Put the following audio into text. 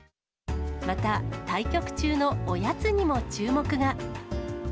また、対局中のおやつにも注目が。